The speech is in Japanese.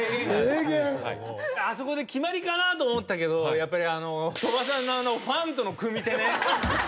あそこで決まりかなと思ったけどやっぱり鳥羽さんのファンとの組み手ね。